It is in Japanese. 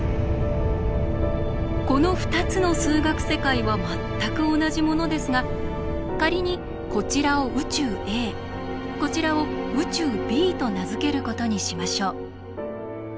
この２つの数学世界は全く同じものですが仮にこちらを宇宙Ａこちらを宇宙Ｂと名付けることにしましょう。